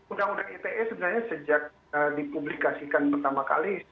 undang undang ite sebenarnya sejak dipublikasikan pertama kali